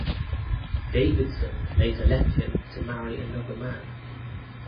Davidson later left him to marry another man.